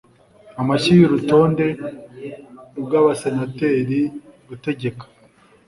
Amashyi y'urutonde rw'abasenateri gutegeka,